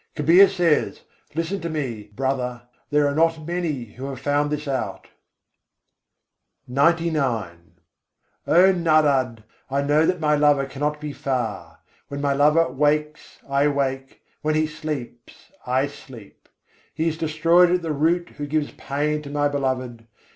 Kabîr says: "Listen to me, brother' there are not many who have found this out." XCIX II. 111. Nârad, pyâr so antar nâhî Oh Narad! I know that my Lover cannot be far: When my Lover wakes, I wake; when He sleeps, I sleep. He is destroyed at the root who gives pain to my Beloved.